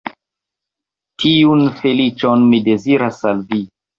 Tiun feliĉon mi deziras al vi.